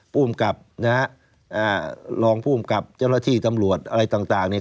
ภูมิกับนะฮะรองภูมิกับเจ้าหน้าที่ตำรวจอะไรต่างเนี่ย